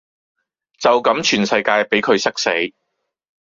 就咁全世界比佢塞死